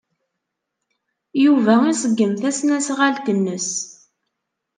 Yuba iṣeggem tasnasɣalt-nnes.